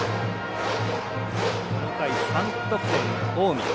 この回、３得点の近江。